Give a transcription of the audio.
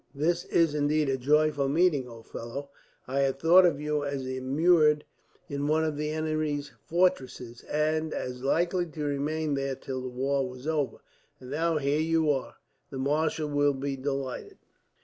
This is indeed a joyful meeting, old fellow. I had thought of you as immured in one of the enemy's fortresses, and as likely to remain there till the war was over, and now here you are! The marshal will be delighted."